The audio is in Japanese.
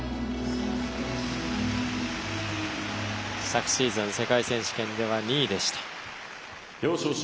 昨シーズン、世界選手権では２位でした。